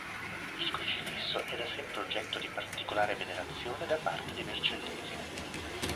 Il crocifisso è da sempre oggetto di particolare venerazione da parte dei vercellesi.